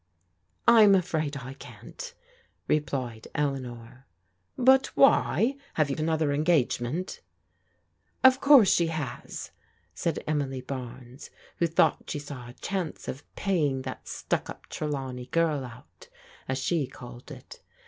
" I'm afraid I can't," replied Eleanor. But why ? Have you another engag^emesX^. " 812 PRODIGAL DAUGHTERS " Of course she has," said Emily Barnes, who thought la she saw a chance of " paying that stuck up Trelawney ) t« girl out" as she called it.